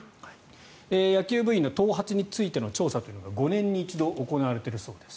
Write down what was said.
野球部員の頭髪についての調査というのが５年に一度行われているそうです。